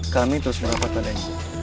kami terus merawat padanya